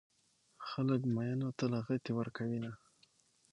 خلک ميينو ته لغتې ورکوينه